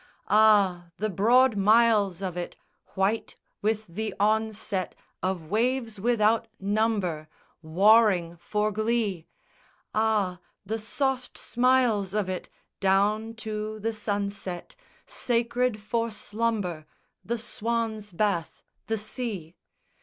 Ah, the broad miles of it White with the onset Of waves without number Warring for glee; Ah, the soft smiles of it Down to the sunset, Sacred for slumber The swan's bath, the sea!